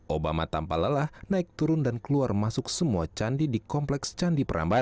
obama tanpa lelah naik turun dan keluar masuk semua candi di kompleks candi prambanan